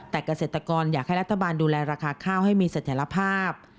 แต่เกษตรกรอยากให้รัฐบาลดูแลราคาข้าวให้มีเสถียรภาพ